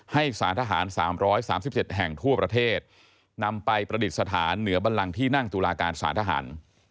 ให้สารทหาร๓๓๗แห่งทั่วประเทศนำไปประดิษฐานเหนือบันลังที่นั่งตุลาการสารทหาร